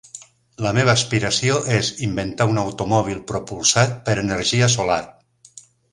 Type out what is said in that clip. La meva aspiració és inventar un automòbil propulsat per energia solar.